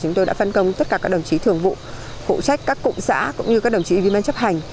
chúng tôi đã phân công tất cả các đồng chí thường vụ phụ trách các cụm xã cũng như các đồng chí viên ban chấp hành